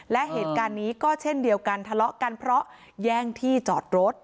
และเหตุการณ์นี้ก็เช่นเดียวกันทะเลาะกันเพราะแย่งที่จอดรถ